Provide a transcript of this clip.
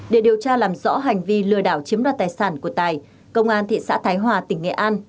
để điều tra làm rõ hành vi lừa đảo chiếm đoạt tài sản của tài công an thị xã thái hòa tỉnh nghệ an